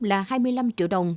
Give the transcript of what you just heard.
là hai mươi năm triệu đồng